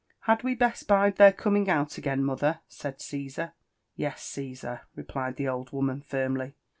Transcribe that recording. "Had we best bide their coming out again, mother?" said Caesar. " Yes, GsBsar," replied the old woman firmly.